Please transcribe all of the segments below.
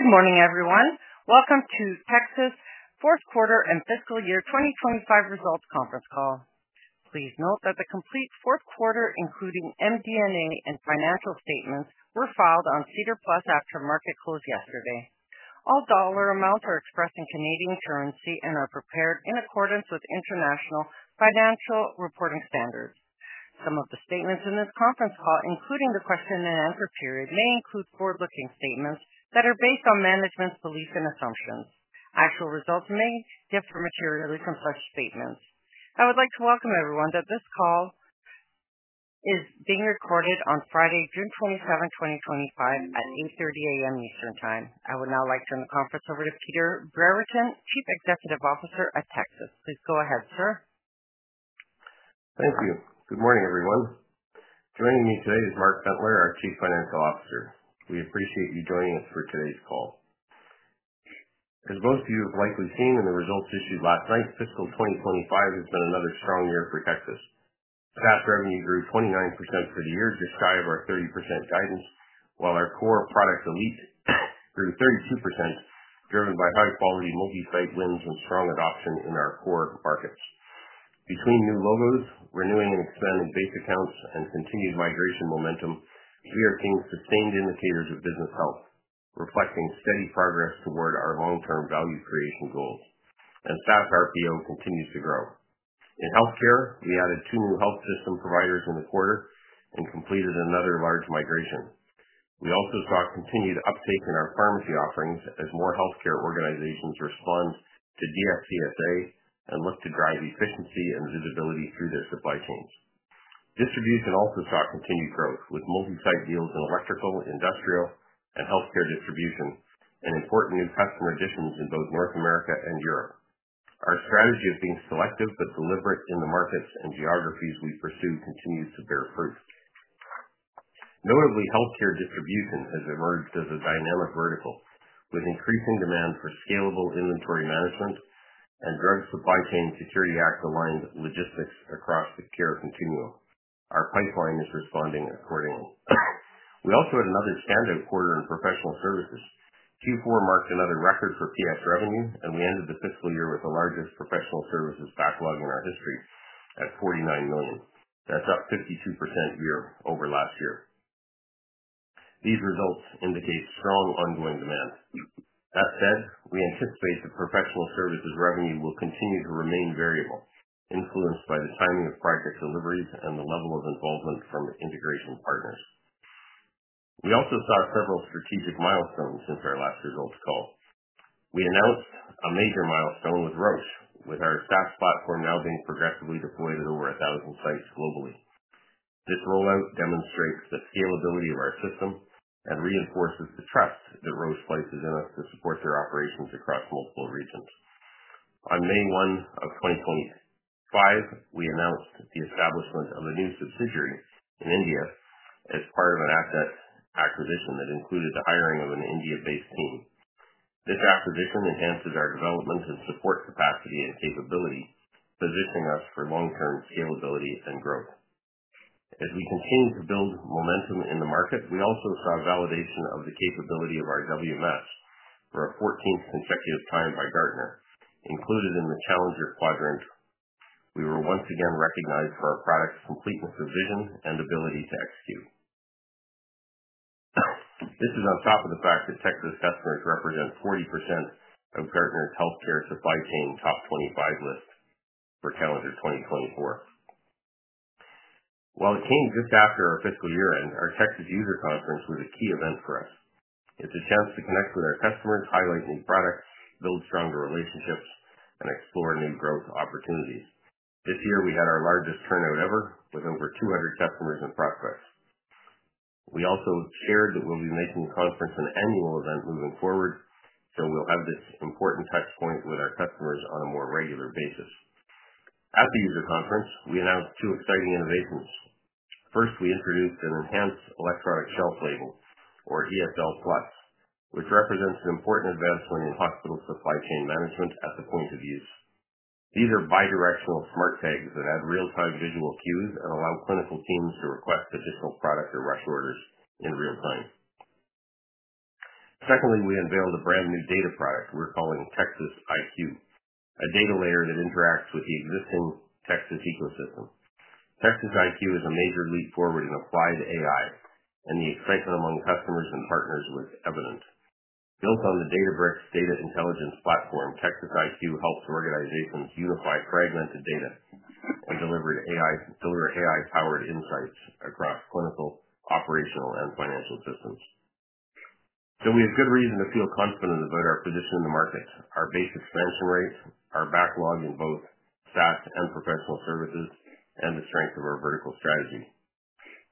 Good morning, everyone. Welcome to Tecsys fourth quarter and fiscal year 2025 results conference call. Please note that the complete fourth quarter, including MD&A and financial statements, were filed on SEDAR Plus after market close yesterday. All dollar amounts are expressed in Canadian currency and are prepared in accordance with International Financial Reporting Standards. Some of the statements in this conference call, including the question and answer period, may include forward-looking statements that are based on management's beliefs and assumptions. Actual results may differ materially from such statements. I would like to welcome everyone to this call. It is being recorded on Friday, June 27, 2025, at 8:30 A.M. Eastern Time. I would now like to turn the conference over to Peter Brereton, Chief Executive Officer at Tecsys. Please go ahead, sir. Thank you. Good morning, everyone. Joining me today is Mark Bentler, our Chief Financial Officer. We appreciate you joining us for today's call. As most of you have likely seen in the results issued last night, fiscal 2025 has been another strong year for Tecsys. SaaS revenue grew 29% for the year, just shy of our 30% guidance, while our core product Elite grew 32%, driven by high-quality multi-site wins and strong adoption in our core markets. Between new logos, renewing and expanding base accounts, and continued migration momentum, we are seeing sustained indicators of business health, reflecting steady progress toward our long-term value creation goals. SaaS RPO continues to grow. In healthcare, we added two new health system providers in the quarter and completed another large migration. We also saw continued uptake in our pharmacy offerings as more healthcare organizations respond to DSCSA and look to drive efficiency and visibility through their supply chains. Distribution also saw continued growth, with multi-site deals in electrical, industrial, and healthcare distribution, and important new customer additions in both North America and Europe. Our strategy of being selective but deliberate in the markets and geographies we pursue continues to bear fruit. Notably, healthcare distribution has emerged as a dynamic vertical, with increasing demand for scalable inventory management and Drug Supply Chain Security Act aligned logistics across the care continuum. Our pipeline is responding accordingly. We also had another standout quarter in professional services. Q4 marked another record for PS revenue, and we ended the fiscal year with the largest professional services backlog in our history at 49 million. That's up 52% year over last year. These results indicate strong ongoing demand. That said, we anticipate that professional services revenue will continue to remain variable, influenced by the timing of project deliveries and the level of involvement from integration partners. We also saw several strategic milestones since our last results call. We announced a major milestone with Roche, with our SaaS platform now being progressively deployed at over 1,000 sites globally. This rollout demonstrates the scalability of our system and reinforces the trust that Roche places in us to support their operations across multiple regions. On May 1 of 2025, we announced the establishment of a new subsidiary in India as part of an asset acquisition that included the hiring of an India-based team. This acquisition enhances our development and support capacity and capability, positioning us for long-term scalability and growth. As we continue to build momentum in the market, we also saw validation of the capability of our WMS for a 14th consecutive time by Gartner. Included in the Challenger quadrant, we were once again recognized for our product's completeness of vision and ability to execute. This is on top of the fact that Tecsys customers represent 40% of Gartner's healthcare supply chain top 25 list for calendar 2024. While it came just after our fiscal year-end, our Tecsys user conference was a key event for us. It's a chance to connect with our customers, highlight new products, build stronger relationships, and explore new growth opportunities. This year, we had our largest turnout ever, with over 200 customers and prospects. We also shared that we'll be making the conference an annual event moving forward, so we'll have this important touchpoint with our customers on a more regular basis. At the user conference, we announced two exciting innovations. First, we introduced an enhanced electronic shelf label, or ESL Plus, which represents an important advancement in hospital supply chain management at the point of use. These are bi-directional smart tags that add real-time visual cues and allow clinical teams to request additional product or rush orders in real time. Secondly, we unveiled a brand new data product we're calling Tecsys IQ, a data layer that interacts with the existing Tecsys' ecosystem. Tecsys IQ is a major leap forward in applied AI, and the excitement among customers and partners was evident. Built on the Databricks data intelligence platform, Tecsys IQ helps organizations unify fragmented data and deliver AI-powered insights across clinical, operational, and financial systems. We have good reason to feel confident about our position in the market, our base expansion rate, our backlog in both SaaS and professional services, and the strength of our vertical strategy.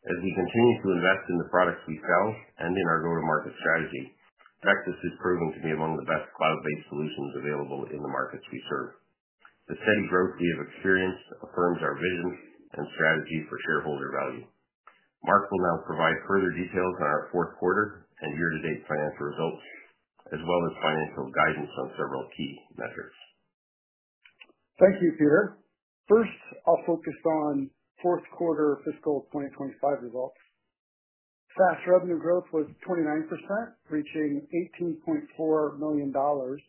As we continue to invest in the products we sell and in our go-to-market strategy, Tecsys is proving to be among the best cloud-based solutions available in the markets we serve. The steady growth we have experienced affirms our vision and strategy for shareholder value. Mark will now provide further details on our Fourth Quarter and year-to-date financial results, as well as financial guidance on several key metrics. Thank you, Peter. First, I'll focus on fourth quarter Fiscal 2025 results. SaaS revenue growth was 29%, reaching 18.4 million dollars.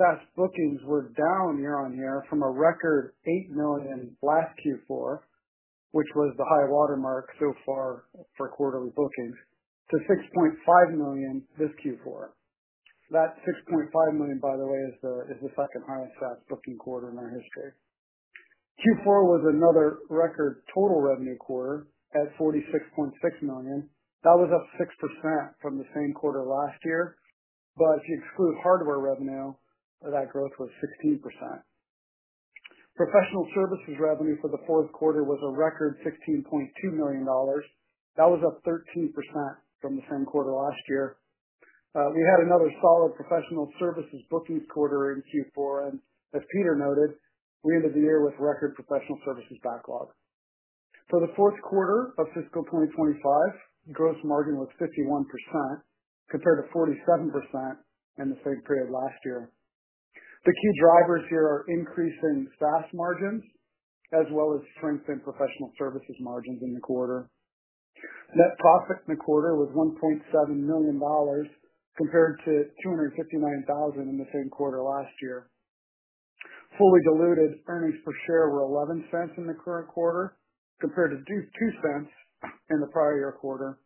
SaaS bookings were down year-on-year from a record 8 million last Q4, which was the high watermark so far for quarterly bookings, to 6.5 million this Q4. That 6.5 million, by the way, is the second highest SaaS booking quarter in our history. Q4 was another record total revenue quarter at 46.6 million. That was up 6% from the same quarter last year. If you exclude hardware revenue, that growth was 16%. Professional services revenue for the fourth quarter was a record 16.2 million dollars. That was up 13% from the same quarter last year. We had another solid professional services bookings quarter in Q4, and as Peter noted, we ended the year with record professional services backlog. For the fourth quarter of fiscal 2025, gross margin was 51%, compared to 47% in the same period last year. The key drivers here are increasing SaaS margins, as well as strength in professional services margins in the quarter. Net profit in the quarter was 1.7 million dollars, compared to 259,000 in the same quarter last year. Fully diluted earnings per share were 0.11 in the current quarter, compared to 0.02 in the prior year quarter.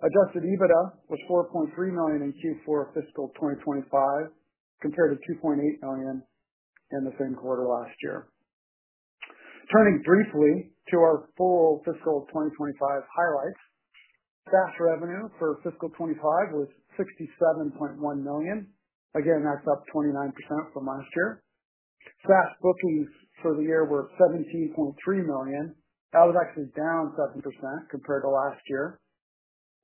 Adjusted EBITDA was 4.3 million in Q4 fiscal 2025, compared to 2.8 million in the same quarter last year. Turning briefly to our full fiscal 2025 highlights, SaaS revenue for fiscal 2025 was 67.1 million. Again, that's up 29% from last year. SaaS bookings for the year were 17.3 million. That was actually down 7% compared to last year.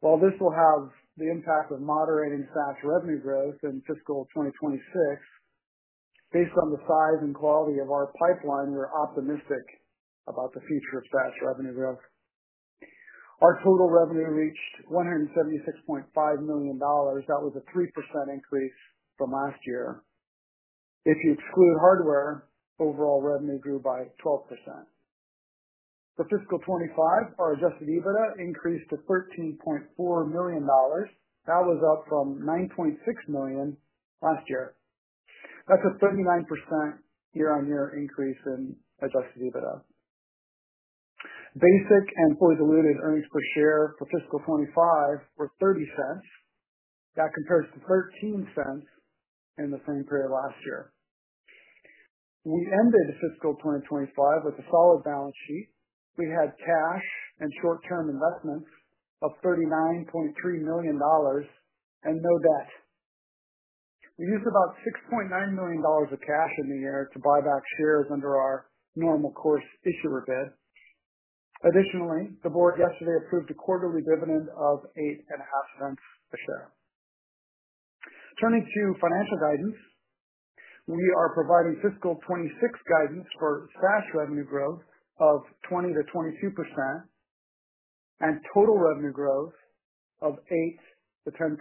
While this will have the impact of moderating SaaS revenue growth in fiscal 2026, based on the size and quality of our pipeline, we're optimistic about the future of SaaS revenue growth. Our total revenue reached 176.5 million dollars. That was a 3% increase from last year. If you exclude hardware, overall revenue grew by 12%. For fiscal 2025, our adjusted EBITDA increased to 13.4 million dollars. That was up from 9.6 million last year. That's a 39% year-on-year increase in adjusted EBITDA. Basic and fully diluted earnings per share for fiscal 2025 were 0.30. That compares to 0.13 in the same period last year. We ended fiscal 2025 with a solid balance sheet. We had cash and short-term investments of 39.3 million dollars and no debt. We used about 6.9 million dollars of cash in the year to buy back shares under our normal course issuer bid. Additionally, the board yesterday approved a quarterly dividend of 0.08 per share. Turning to financial guidance, we are providing fiscal 2026 guidance for SaaS revenue growth of 20%-22% and total revenue growth of 8%-10%.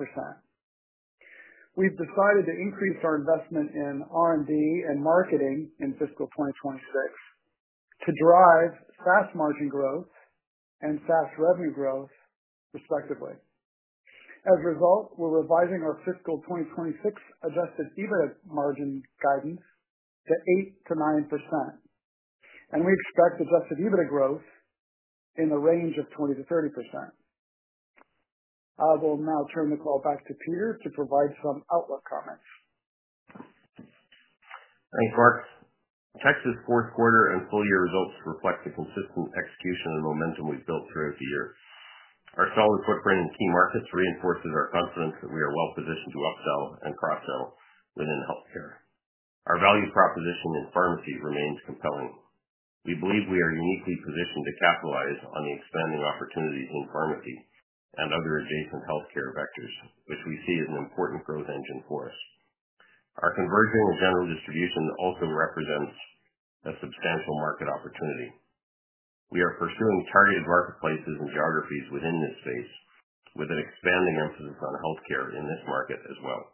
We have decided to increase our investment in R&D and marketing in fiscal 2026 to drive SaaS margin growth and SaaS revenue growth, respectively. As a result, we are revising our fiscal 2026 adjusted EBITDA margin guidance to 8%-9%. We expect adjusted EBITDA growth in the range of 20%-30%. I will now turn the call back to Peter to provide some outlook comments. Thanks, Mark. Tecsys' fourth quarter and full year results reflect the consistent execution and momentum we've built throughout the year. Our solid footprint in key markets reinforces our confidence that we are well-positioned to upsell and cross-sell within healthcare. Our value proposition in pharmacy remains compelling. We believe we are uniquely positioned to capitalize on the expanding opportunities in pharmacy and other adjacent healthcare vectors, which we see as an important growth engine for us. Our converging and general distribution also represents a substantial market opportunity. We are pursuing targeted marketplaces and geographies within this space, with an expanding emphasis on healthcare in this market as well.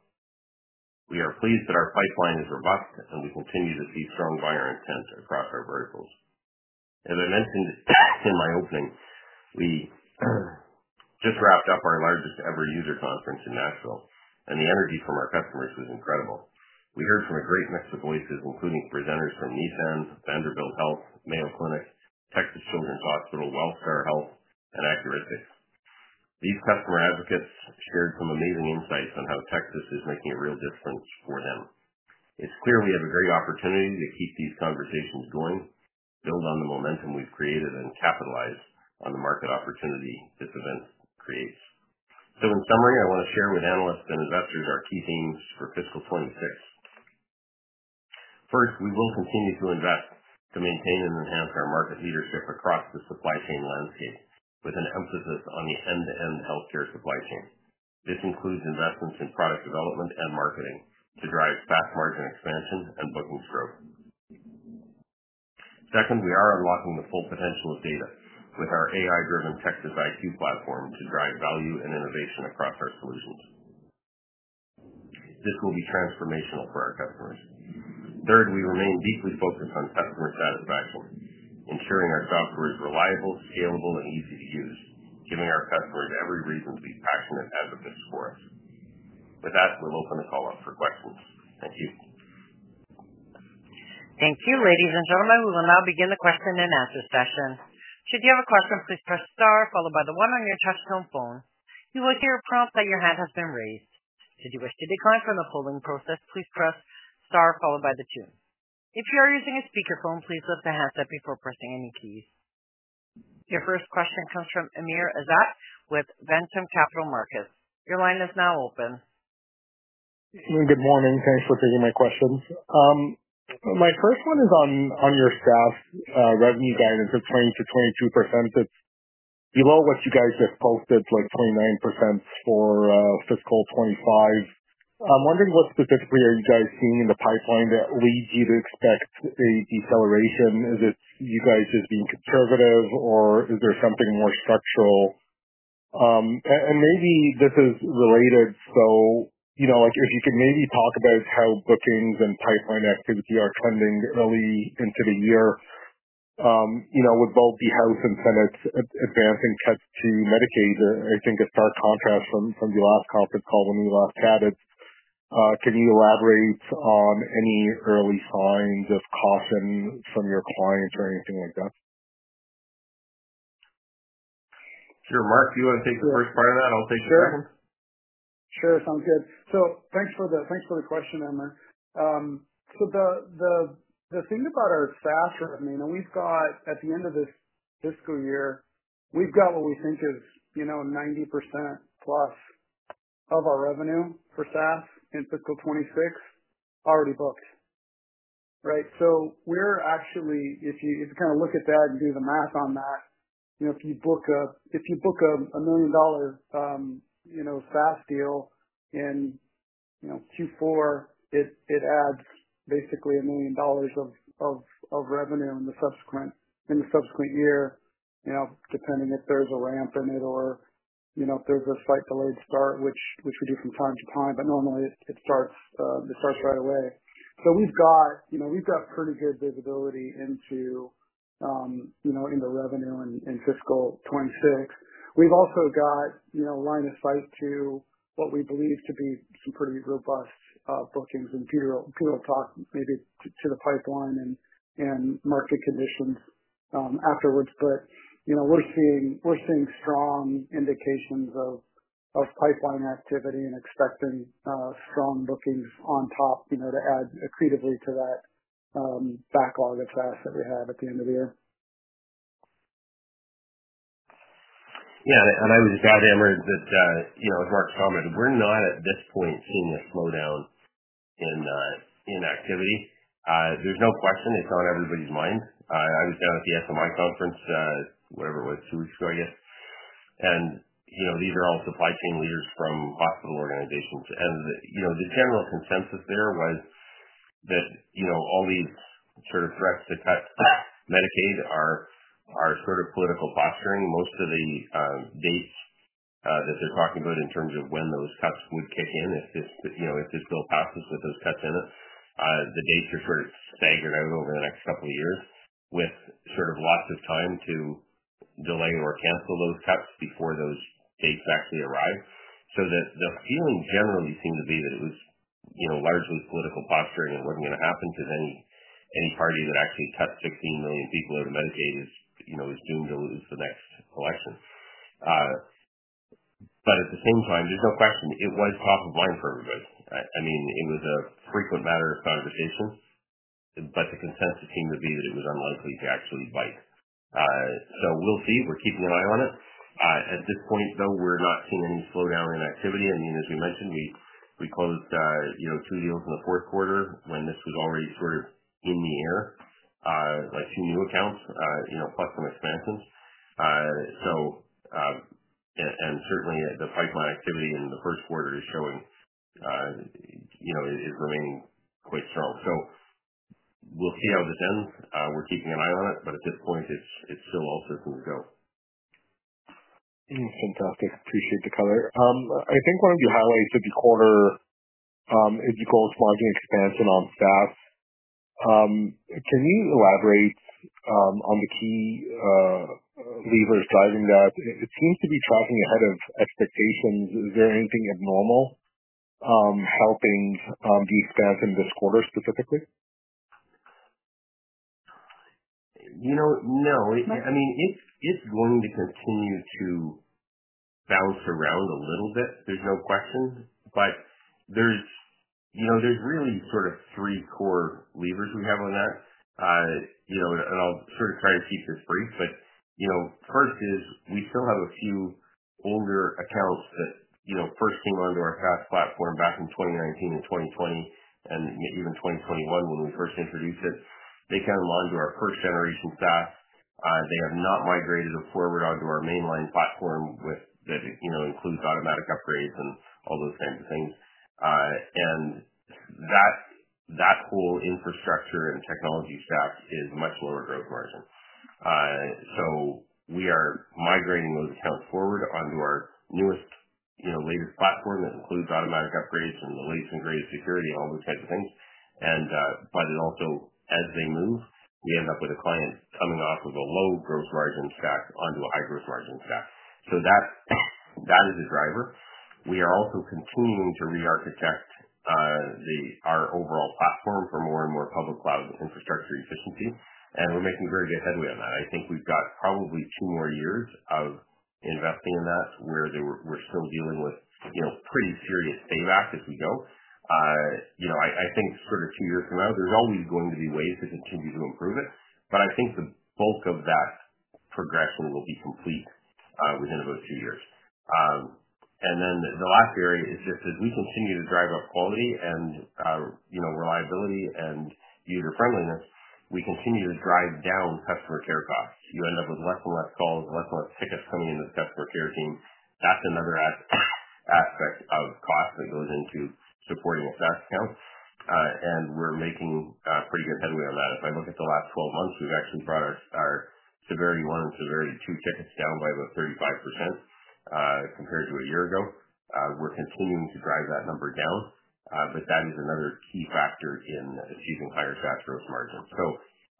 We are pleased that our pipeline is robust, and we continue to see strong buyer intent across our verticals. As I mentioned in my opening, we just wrapped up our largest-ever user conference in Nashville, and the energy from our customers was incredible. We heard from a great mix of voices, including presenters from Nissan, Vanderbilt Health, Mayo Clinic, Texas Children's Hospital, WellStar Health, and Accuristix. These customer advocates shared some amazing insights on how Tecsys is making a real difference for them. It's clear we have a great opportunity to keep these conversations going, build on the momentum we've created, and capitalize on the market opportunity this event creates. In summary, I want to share with analysts and investors our key themes for fiscal 2026. First, we will continue to invest to maintain and enhance our market leadership across the supply chain landscape, with an emphasis on the end-to-end healthcare supply chain. This includes investments in product development and marketing to drive SaaS margin expansion and bookings growth. Second, we are unlocking the full potential of data with our AI-driven Tecsys IQ platform to drive value and innovation across our solutions. This will be transformational for our customers. Third, we remain deeply focused on customer satisfaction, ensuring our software is reliable, scalable, and easy to use, giving our customers every reason to be passionate advocates for us. With that, we'll open the call up for questions. Thank you. Thank you. Ladies and gentlemen, we will now begin the question and answer session. Should you have a question, please press star, followed by the 1 on your touch-tone phone. You will hear a prompt that your hand has been raised. Should you wish to decline from the polling process, please press star, followed by the 2. If you are using a speakerphone, please lift the handset before pressing any keys. Your first question comes from Amir Azat with Ventum Capital Markets. Your line is now open. Good morning. Thanks for taking my question. My first one is on your SaaS revenue guidance of 20%-22%. It's below what you guys just posted, like 29% for fiscal 2025. I'm wondering what specifically are you guys seeing in the pipeline that leads you to expect a deceleration? Is it you guys just being conservative, or is there something more structural? Maybe this is related. If you could maybe talk about how bookings and pipeline activity are trending early into the year with both the House and Senate advancing cuts to Medicaid. I think it's our contrast from the last conference call when we last chatted. Can you elaborate on any early signs of caution from your clients or anything like that? Sure. Mark, do you want to take the first part of that? I'll take the second. Sure. Sure. Sounds good. Thanks for the question, Amir. The thing about our SaaS revenue, we've got at the end of this fiscal year, we've got what we think is 90% plus of our revenue for SaaS in fiscal 2026 already booked. Right? If you kind of look at that and do the math on that, if you book a 1 million dollar SaaS deal in Q4, it adds basically 1 million dollars of revenue in the subsequent year, depending if there's a ramp in it or if there's a slight delayed start, which we do from time to time, but normally it starts right away. We've got pretty good visibility into the revenue in fiscal 2026. We've also got line of sight to what we believe to be some pretty robust bookings, and Peter will talk maybe to the pipeline and market conditions afterwards. We're seeing strong indications of pipeline activity and expecting strong bookings on top to add accretively to that backlog of SaaS that we have at the end of the year. Yeah. I would just add, Amir, that as Mark's commented, we're not at this point seeing a slowdown in activity. There's no question. It's on everybody's mind. I was down at the SMI conference, whatever it was, two weeks ago, I guess. These are all supply chain leaders from hospital organizations. The general consensus there was that all these sort of threats to cut Medicaid are sort of political posturing. Most of the dates that they're talking about in terms of when those cuts would kick in, if this bill passes with those cuts in it, the dates are sort of staggered out over the next couple of years with lots of time to delay or cancel those cuts before those dates actually arrive. The feeling generally seemed to be that it was largely political posturing and was not going to happen because any party that actually cuts 16 million people out of Medicaid is doomed to lose the next election. At the same time, there is no question. It was top of mind for everybody. I mean, it was a frequent matter of conversation, but the consensus seemed to be that it was unlikely to actually bite. We will see. We are keeping an eye on it. At this point, though, we are not seeing any slowdown in activity. I mean, as we mentioned, we closed two deals in the fourth quarter when this was already sort of in the air, like two new accounts, plus some expansions. Certainly the pipeline activity in the first quarter is showing is remaining quite strong. We will see how this ends. We're keeping an eye on it, but at this point, it's still all systems go. Fantastic. Appreciate the color. I think one of your highlights of the quarter is you call it margin expansion on staff. Can you elaborate on the key levers driving that? It seems to be tracking ahead of expectations. Is there anything abnormal helping the expansion this quarter specifically? No. I mean, it's going to continue to bounce around a little bit. There's no question. There's really sort of three core levers we have on that. I'll sort of try to keep this brief. First is we still have a few older accounts that first came onto our SaaS platform back in 2019 and 2020, and even 2021 when we first introduced it. They came onto our first-generation SaaS. They have not migrated forward onto our mainline platform that includes automatic upgrades and all those kinds of things. That whole infrastructure and technology stack is much lower growth margin. We are migrating those accounts forward onto our newest, latest platform that includes automatic upgrades and the latest and greatest security and all those kinds of things. It also, as they move, we end up with a client coming off of a low gross margin stack onto a high gross margin stack. That is a driver. We are also continuing to re-architect our overall platform for more and more public cloud infrastructure efficiency. We are making very good headway on that. I think we've got probably two more years of investing in that where we're still dealing with pretty serious payback as we go. I think sort of two years from now, there's always going to be ways to continue to improve it. I think the bulk of that progression will be complete within about two years. The last area is just as we continue to drive up quality and reliability and user-friendliness, we continue to drive down customer care costs. You end up with less and less calls, less and less tickets coming into the customer care team. That is another aspect of cost that goes into supporting a SaaS account. We're making pretty good headway on that. If I look at the last 12 months, we've actually brought our severity one and severity two tickets down by about 35% compared to a year ago. We're continuing to drive that number down. That is another key factor in achieving higher SaaS gross margin.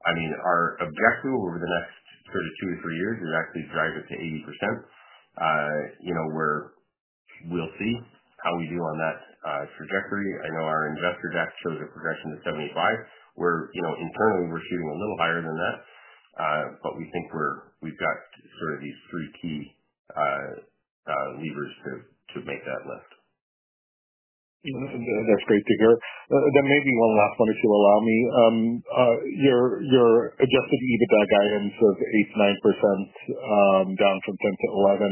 I mean, our objective over the next sort of two to three years is actually to drive it to 80%. We'll see how we do on that trajectory. I know our investor deck shows a progression to 75%, where internally we're shooting a little higher than that. We think we've got sort of these three key levers to make that lift. That's great to hear. Maybe one last one if you'll allow me. Your adjusted EBITDA guidance of 8%-9% is down from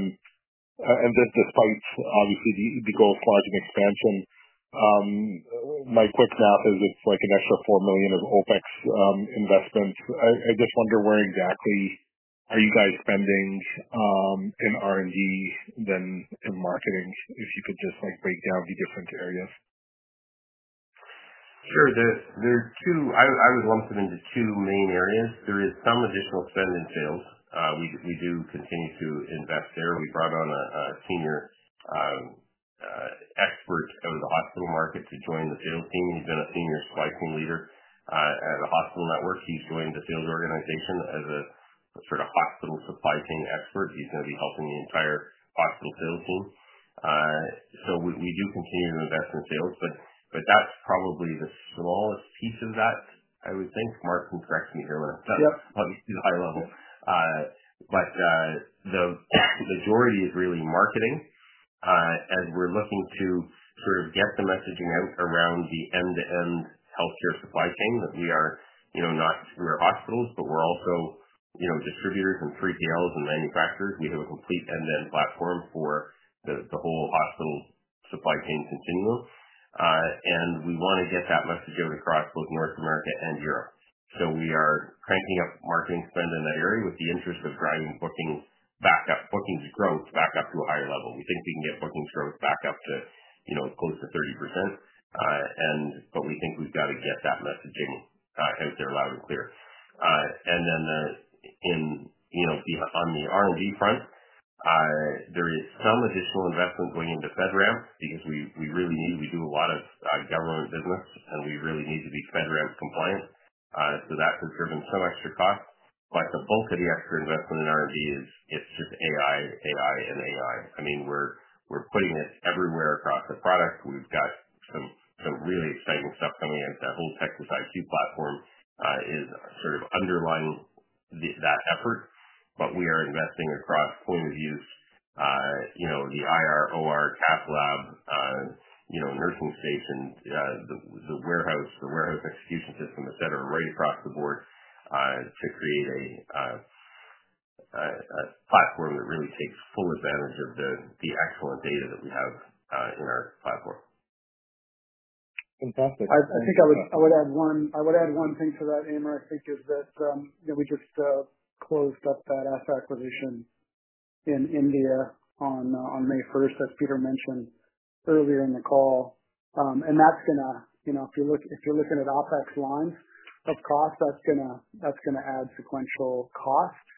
10%-11%. This is despite, obviously, the gross margin expansion. My quick math is it's like an extra 4 million of OpEx investments. I just wonder where exactly are you guys spending in R&D than in marketing, if you could just break down the different areas? Sure. I would lump them into two main areas. There is some additional spend in sales. We do continue to invest there. We brought on a senior expert out of the hospital market to join the sales team. He's been a senior supply chain leader at a hospital network. He's joined the sales organization as a sort of hospital supply chain expert. He's going to be helping the entire hospital sales team. We do continue to invest in sales. That's probably the smallest piece of that, I would think. Mark can correct me here when I'm done. Yep. Probably the high level. The majority is really marketing. We are looking to sort of get the messaging out around the end-to-end healthcare supply chain that we are not hospitals, but we are also distributors and 3PLs and manufacturers. We have a complete end-to-end platform for the whole hospital supply chain continuum. We want to get that message out across both North America and Europe. We are cranking up marketing spend in that area with the interest of driving bookings back up, bookings growth back up to a higher level. We think we can get bookings growth back up to close to 30%. We think we have got to get that messaging out there loud and clear. On the R&D front, there is some additional investment going into FedRAMP because we really need to do a lot of government business, and we really need to be FedRAMP compliant. That has driven some extra costs. The bulk of the extra investment in R&D is it's just AI, AI, and AI. I mean, we're putting it everywhere across the product. We've got some really exciting stuff coming out. That whole Tecsys IQ platform is sort of underlying that effort. We are investing across point of use, the IR, OR, cath lab, nursing station, the warehouse, the warehouse execution system, etc., right across the board to create a platform that really takes full advantage of the excellent data that we have in our platform. Fantastic. I think I would add one thing to that, Amir. I think is that we just closed up that asset acquisition in India on May 1, as Peter mentioned earlier in the call. That is going to, if you're looking at OpEx lines of cost, add sequential costs.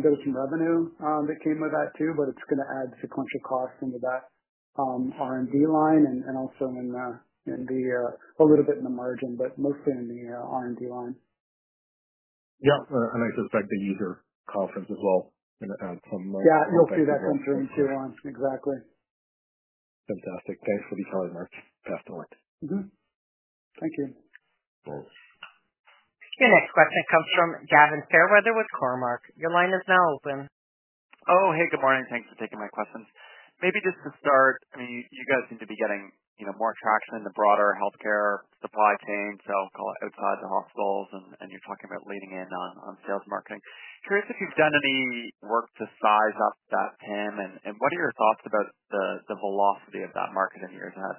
There was some revenue that came with that too, but it is going to add sequential costs into that R&D line and also a little bit in the margin, but mostly in the R&D line. Yep. I suspect the user conference as well. Yeah. You'll see that come through in Q1. Exactly. Fantastic. Thanks for the time, Mark. Pass the mic. Thank you. Your next question comes from Gavin Fairweather with Cormark. Your line is now open. Oh, hey. Good morning. Thanks for taking my questions. Maybe just to start, I mean, you guys seem to be getting more traction in the broader healthcare supply chain, so call it outside the hospitals, and you're talking about leading in on sales and marketing. Curious if you've done any work to size up that PIM, and what are your thoughts about the velocity of that market in the years ahead?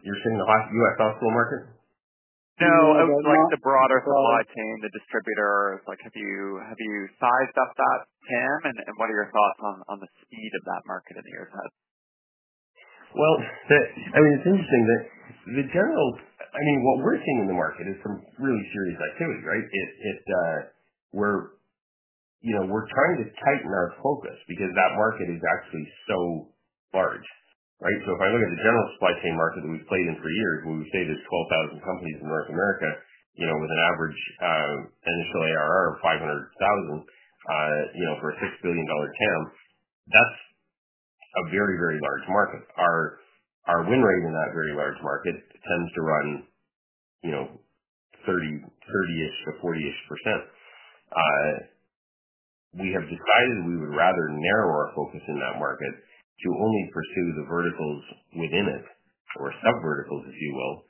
You're saying the U.S. hospital market? No. It's like the broader supply chain, the distributors. Have you sized up that PIM, and what are your thoughts on the speed of that market in the years ahead? I mean, it's interesting that the general, I mean, what we're seeing in the market is some really serious activity, right? We're trying to tighten our focus because that market is actually so large, right? If I look at the general supply chain market that we've played in for years, where we say there's 12,000 companies in North America with an average initial ARR of 500,000 for a 6 billion dollar PIM, that's a very, very large market. Our win rate in that very large market tends to run 30%-40%. We have decided we would rather narrow our focus in that market to only pursue the verticals within it or subverticals, if you will,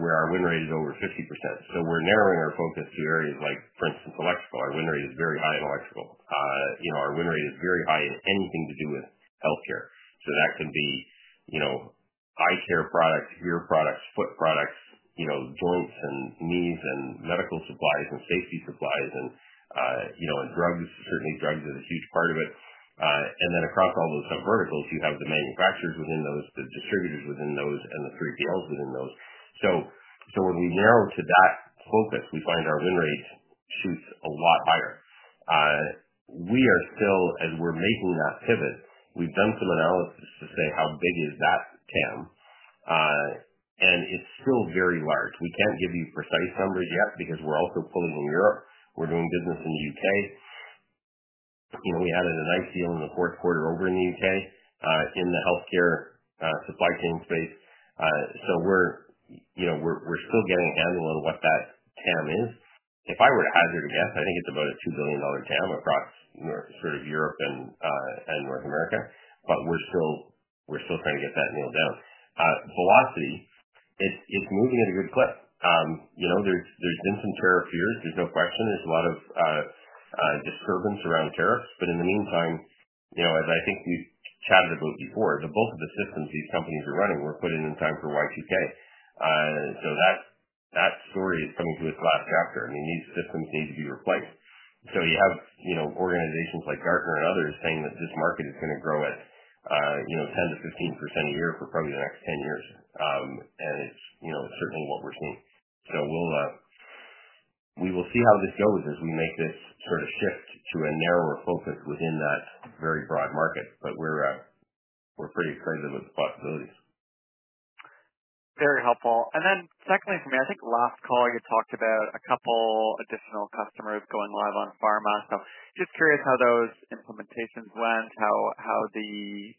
where our win rate is over 50%. We're narrowing our focus to areas like, for instance, electrical. Our win rate is very high in electrical. Our win rate is very high in anything to do with healthcare. That can be eye care products, ear products, foot products, joints and knees and medical supplies and safety supplies and drugs. Certainly, drugs is a huge part of it. Across all those subverticals, you have the manufacturers within those, the distributors within those, and the 3PLs within those. When we narrow to that focus, we find our win rate shoots a lot higher. We are still, as we're making that pivot, we've done some analysis to say, "How big is that PIM?" It is still very large. We can't give you precise numbers yet because we're also pulling in Europe. We're doing business in the U.K. We added a nice deal in the fourth quarter over in the U.K. in the healthcare supply chain space. We're still getting a handle on what that PIM is. If I were to hazard a guess, I think it's about 2 billion dollar PIM across sort of Europe and North America. We're still trying to get that nailed down. Velocity, it's moving at a good clip. There's been some tariff fears. There's no question. There's a lot of disturbance around tariffs. In the meantime, as I think we've chatted about before, the bulk of the systems these companies are running were put in in time for Y2K. That story is coming to its last chapter. I mean, these systems need to be replaced. You have organizations like Gartner and others saying that this market is going to grow at 10%-15% a year for probably the next 10 years. It's certainly what we're seeing. We will see how this goes as we make this sort of shift to a narrower focus within that very broad market. But we're pretty excited about the possibilities. Very helpful. Secondly for me, I think last call you talked about a couple additional customers going live on pharma. Just curious how those implementations went, how the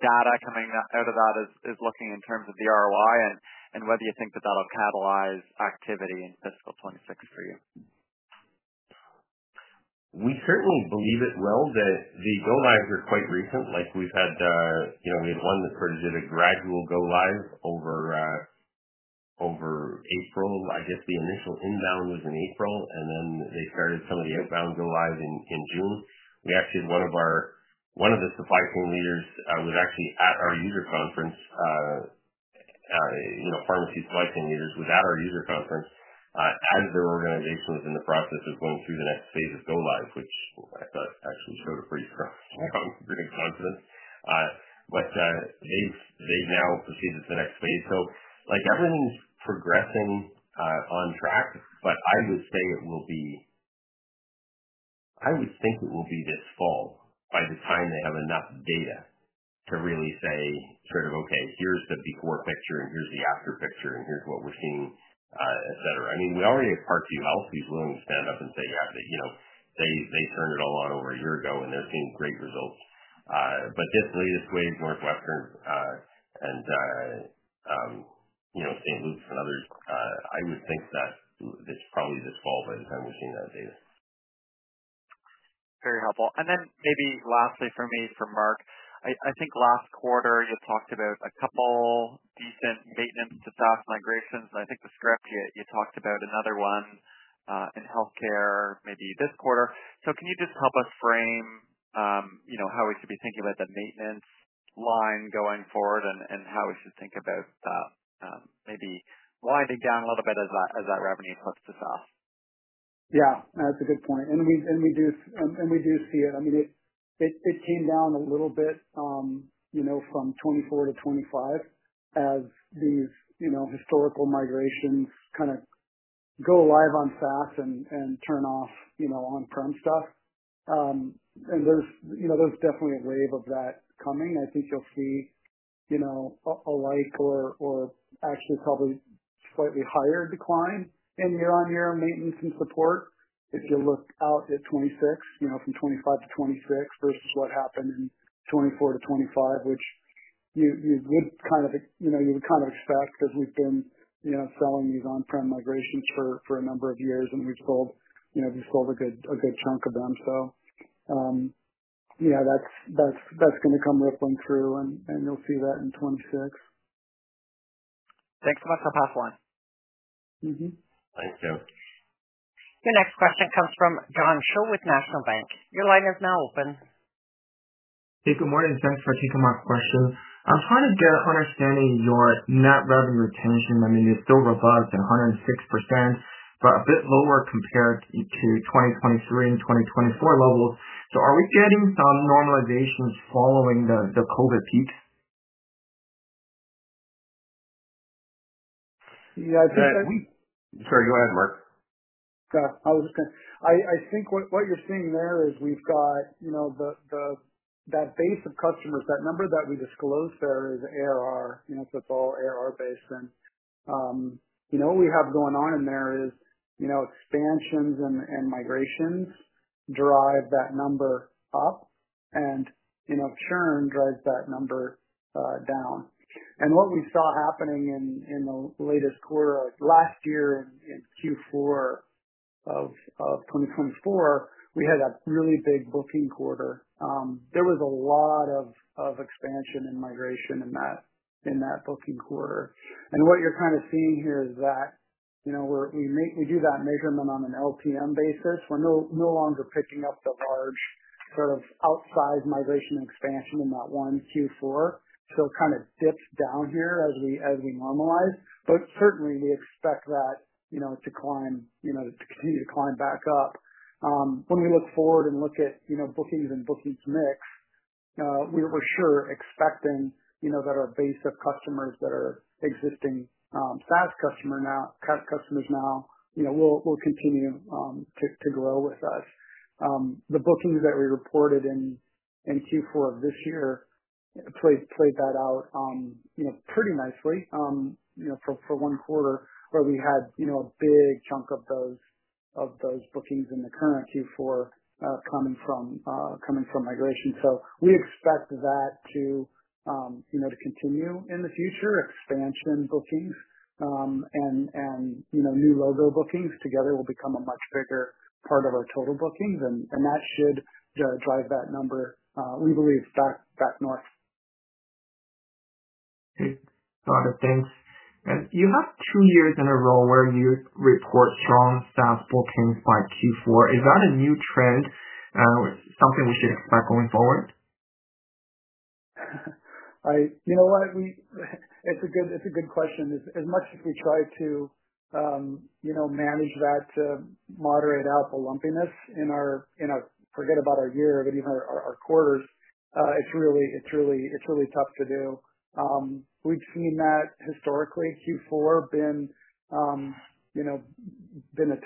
data coming out of that is looking in terms of the ROI, and whether you think that that'll catalyze activity in fiscal 2026 for you. We certainly believe it well that the go-lives are quite recent. We've had one that sort of did a gradual go-live over April. I guess the initial inbound was in April, and then they started some of the outbound go-lives in June. We actually had one of the supply chain leaders was actually at our user conference. Pharmacy supply chain leaders was at our user conference as their organization was in the process of going through the next phase of go-live, which I thought actually showed a pretty strong confidence. They've now proceeded to the next phase. Everything's progressing on track. I would say it will be, I would think it will be this fall by the time they have enough data to really say, "Sort of, okay, here's the before picture and here's the after picture and here's what we're seeing," etc. I mean, we already have Parkview Health, who's willing to stand up and say, "Yeah, they turned it all on over a year ago, and they're seeing great results." This latest wave, Northwestern and [those] others, I would think that it's probably this fall by the time we're seeing that data. Very helpful. Maybe lastly for me, for Mark, I think last quarter you talked about a couple decent maintenance to SaaS migrations. I think the script, you talked about another one in healthcare maybe this quarter. Can you just help us frame how we should be thinking about the maintenance line going forward and how we should think about maybe winding down a little bit as that revenue flips to SaaS? Yeah. That's a good point. I mean, we do see it. It came down a little bit from 2024 to 2025 as these historical migrations kind of go live on SaaS and turn off on-prem stuff. There's definitely a wave of that coming. I think you'll see a like or actually probably slightly higher decline in year-on-year maintenance and support if you look out at 2026, from 2025 to 2026 versus what happened in 2024 to 2025, which you would kind of expect because we've been selling these on-prem migrations for a number of years, and we've sold a good chunk of them. Yeah, that's going to come rippling through, and you'll see that in 2026. Thanks so much. I'll pass the line. Thanks, you. Your next question comes from John Cho with National Bank. Your line is now open. Hey, good morning. Thanks for taking my question. I'm trying to get an understanding of your net revenue retention. I mean, it's still robust at 106%, but a bit lower compared to 2023 and 2024 levels. Are we getting some normalizations following the COVID peak? Yeah. I think that. Sorry. Go ahead, Mark. Yeah. I was just going to say, I think what you're seeing there is we've got that base of customers, that number that we disclosed there is ARR. So, it's all ARR-based. And what we have going on in there is expansions and migrations drive that number up, and churn drives that number down. What we saw happening in the latest quarter last year in Q4 of 2024, we had a really big booking quarter. There was a lot of expansion and migration in that booking quarter. What you're kind of seeing here is that we do that measurement on an LPM basis. We're no longer picking up the large sort of outsized migration and expansion in that one Q4. It kind of dips down here as we normalize. Certainly, we expect that to climb, to continue to climb back up. When we look forward and look at bookings and bookings mix, we're sure expecting that our base of customers that are existing SaaS customers now will continue to grow with us. The bookings that we reported in Q4 of this year played that out pretty nicely for one quarter, where we had a big chunk of those bookings in the current Q4 coming from migration. We expect that to continue in the future. Expansion bookings and new logo bookings together will become a much bigger part of our total bookings, and that should drive that number, we believe, back north. Got it. Thanks. You have two years in a row where you report strong SaaS bookings by Q4. Is that a new trend, something we should expect going forward? You know what? It's a good question. As much as we try to manage that moderate alpha lumpiness in our, forget about our year or even our quarters, it's really tough to do. We've seen that historically, Q4 been a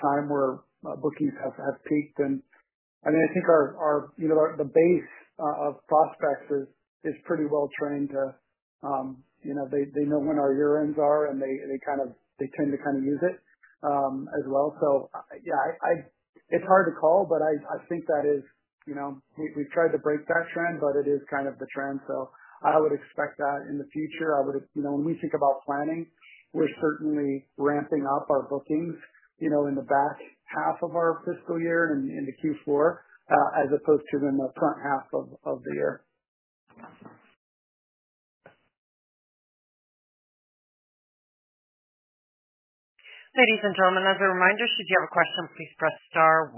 time where bookings have peaked. I mean, I think the base of prospects is pretty well trained. They know when our year-ends are, and they tend to kind of use it as well. Yeah, it's hard to call, but I think that is, we've tried to break that trend, but it is kind of the trend. I would expect that in the future. When we think about planning, we're certainly ramping up our bookings in the back half of our fiscal year and into Q4 as opposed to in the front half of the year. Ladies and gentlemen, as a reminder, should you have a question, please press star 1.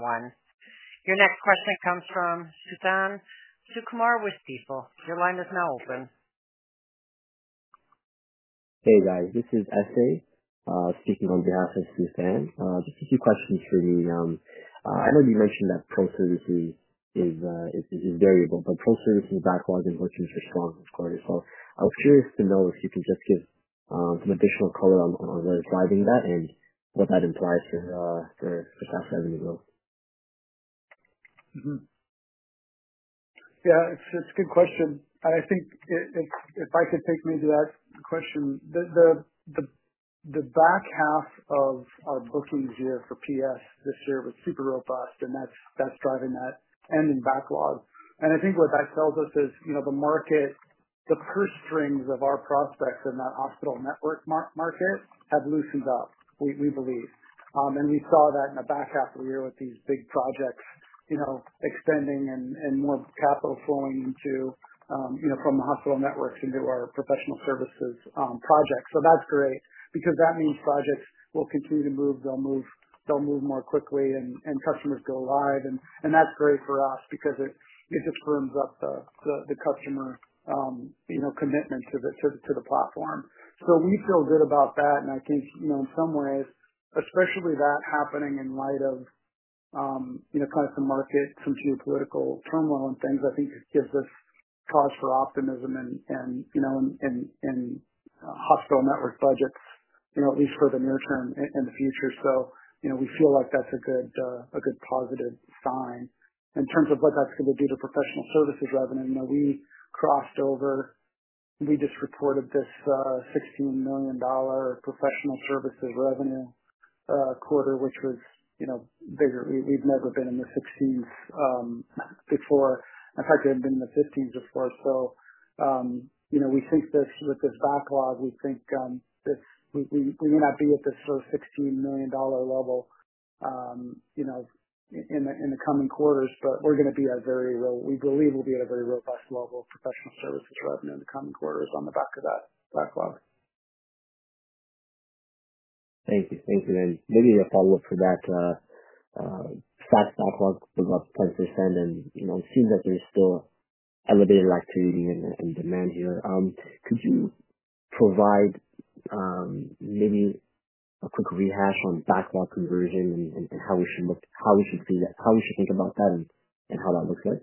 Your next question comes from Suthan Sukumar with Stifel. Your line is now open. Hey, guys. This is Esai speaking on behalf of Stifel. Just a few questions for me. I know you mentioned that pro-service is variable, but pro-service and backlog in bookings are strong in this quarter. I was curious to know if you could just give some additional color on what is driving that and what that implies for SaaS revenue growth. Yeah. It's a good question. I think if I could take maybe that question, the back half of our bookings year for PS this year was super robust, and that's driving that ending backlog. I think what that tells us is the market, the purse strings of our prospects in that hospital network market have loosened up, we believe. We saw that in the back half of the year with these big projects extending and more capital flowing from the hospital networks into our professional services projects. That's great because that means projects will continue to move. They'll move more quickly, and customers go live. That's great for us because it just firms up the customer commitment to the platform. We feel good about that. I think in some ways, especially that happening in light of kind of some market, some geopolitical turmoil and things, I think gives us cause for optimism in hospital network budgets, at least for the near term and the future. We feel like that's a good positive sign. In terms of what that's going to do to professional services revenue, we crossed over. We just reported this 16 million dollar professional services revenue quarter, which was bigger. We've never been in the 16th before. In fact, we haven't been in the 15th before. We think with this backlog, we think we may not be at this sort of 16 million dollar level in the coming quarters, but we're going to be at a very, we believe we'll be at a very robust level of professional services revenue in the coming quarters on the back of that backlog. Thank you. Thank you. Maybe a follow-up for that. SaaS backlog was up 10%, and it seems that there's still elevated activity and demand here. Could you provide maybe a quick rehash on backlog conversion and how we should look, how we should see that, how we should think about that, and how that looks like?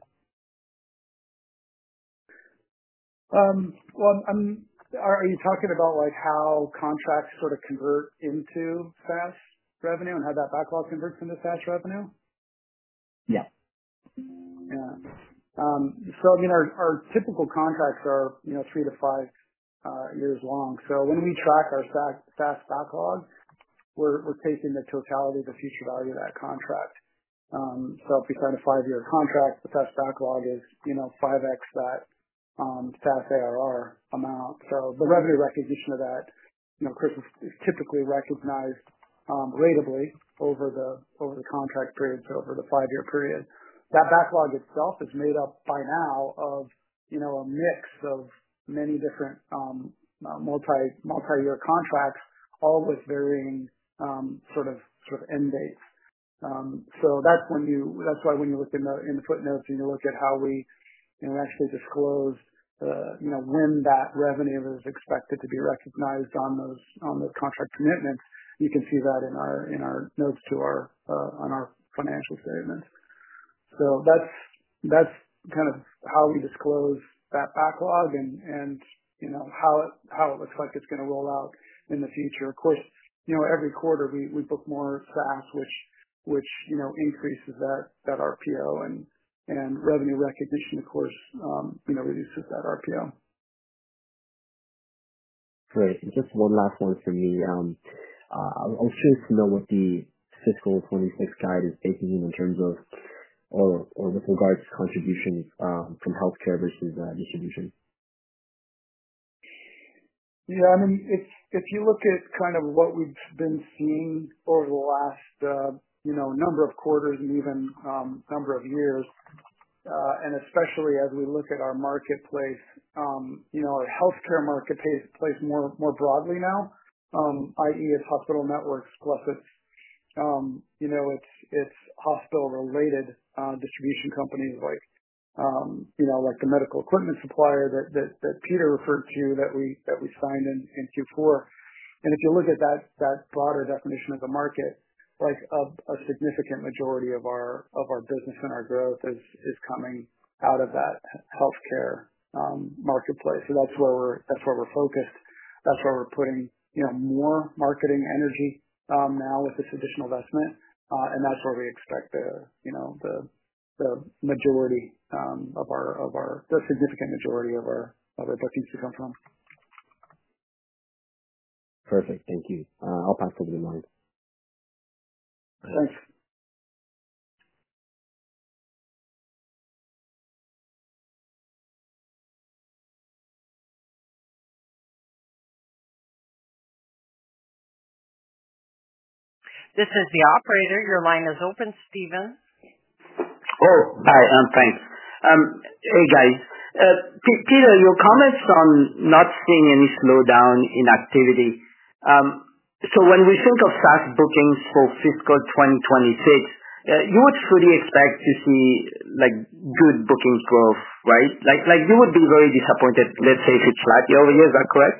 Are you talking about how contracts sort of convert into SaaS revenue and how that backlog converts into SaaS revenue? Yeah. Yeah. So, I mean, our typical contracts are three to five years long. When we track our SaaS backlog, we're taking the totality of the future value of that contract. If we sign a five-year contract, the SaaS backlog is 5x that SaaS ARR amount. The revenue recognition of that, of course, is typically recognized ratably over the contract period, over the five-year period. That backlog itself is made up by now of a mix of many different multi-year contracts, all with varying sort of end dates. That's why when you look in the footnotes and you look at how we actually disclosed when that revenue is expected to be recognized on those contract commitments, you can see that in our notes to our financial statements. That's kind of how we disclose that backlog and how it looks like it's going to roll out in the future. Of course, every quarter, we book more SaaS, which increases that RPO, and revenue recognition, of course, reduces that RPO. Great. Just one last one for me. I was curious to know what the fiscal 2026 guide is taking in terms of or with regards to contributions from healthcare versus distribution. Yeah. I mean, if you look at kind of what we've been seeing over the last number of quarters and even number of years, and especially as we look at our marketplace, our healthcare marketplace more broadly now, i.e., it's hospital networks plus it's hospital-related distribution companies like the medical equipment supplier that Peter referred to that we signed in Q4. If you look at that broader definition of the market, a significant majority of our business and our growth is coming out of that healthcare marketplace. That's where we're focused. That's where we're putting more marketing energy now with this additional investment, and that's where we expect the significant majority of our bookings to come from. Perfect. Thank you. I'll pass over to Mark. Thanks. This is the operator. Your line is open, Stephen. Oh, hi. Thanks. Hey, guys. Peter, your comments on not seeing any slowdown in activity. When we think of SaaS bookings for fiscal 2026, you would fully expect to see good bookings growth, right? You would be very disappointed, let's say, if it's flat. Is that correct?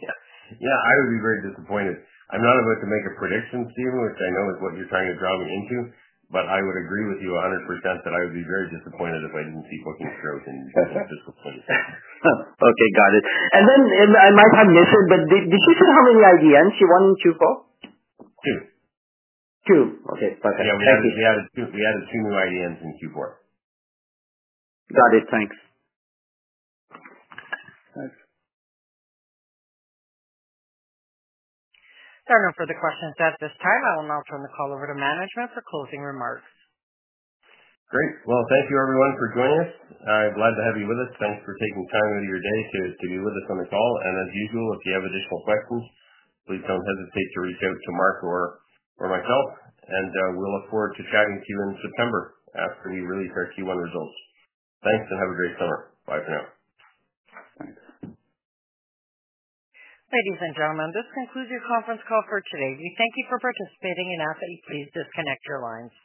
Yeah. Yeah. I would be very disappointed. I'm not about to make a prediction, Stephen, which I know is what you're trying to draw me into, but I would agree with you 100% that I would be very disappointed if I didn't see bookings growth in fiscal 2026. Okay. Got it. I might have missed it, but did she say how many IDNs she wanted Q4? Two. Two. Okay. Perfect. Thank you. Yeah. We added two new IDNs in Q4. Got it. Thanks. There are no further questions at this time. I will now turn the call over to management for closing remarks. Great. Thank you, everyone, for joining us. I'm glad to have you with us. Thanks for taking time out of your day to be with us on the call. As usual, if you have additional questions, please do not hesitate to reach out to Mark or myself, and we will look forward to chatting to you in September after we release our Q1 results. Thanks, and have a great summer. Bye for now. Thanks. Ladies and gentlemen, this concludes your conference call for today. We thank you for participating and ask that you please disconnect your lines.